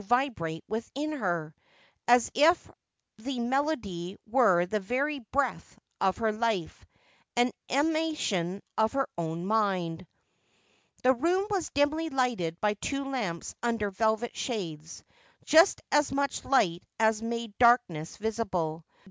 321 vil irate within her, as if the melody were the very breath of her life — an emanation of her own mind. The room was dimly lighted by two lamps under velvet shades — just as much light as made darkness visible.